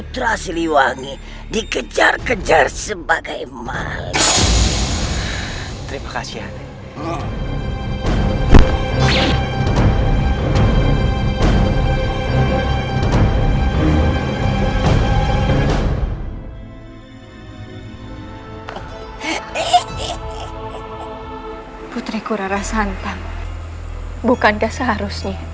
kalo kau ikut sama berarti kau melatangku